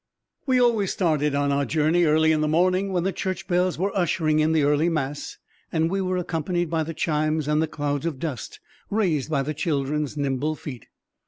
We always started on our journey early in the morning when the church bells were ushering in the early mass, and we were accompanied by the chimes and the clouds of dust raised by the children's nimble feet.